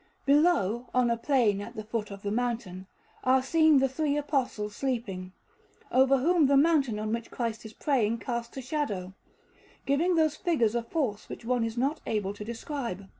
Below, on a plain at the foot of the mountain, are seen the three Apostles sleeping, over whom the mountain on which Christ is praying casts a shadow, giving those figures a force which one is not able to describe.